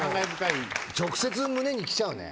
直接胸にきちゃうね。